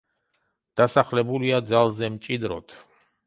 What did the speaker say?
დასახლებულია ძალზე მჭიდროდ.